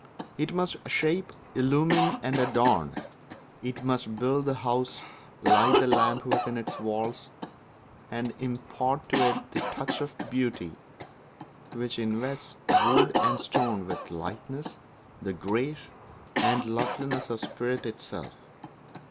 It must shape, illumine, and adorn; it must build the house, light the lamp within its walls, and impart to it that touch of beauty which invests wood and stone with the lightness, the grace, and the loveliness of spirit itself.